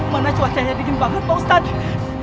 mana cuacanya dingin banget pak ustadz